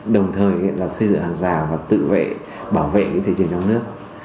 đồng thời là xây dựng hàng rào và tự vệ bảo vệ thị trường trong nước